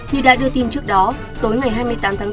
như đã đưa tin trước đó tối ngày hai mươi tám tháng bốn